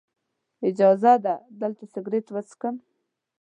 اجازه ده دلته سګرټ وڅکم.